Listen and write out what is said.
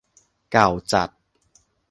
เก่าจัด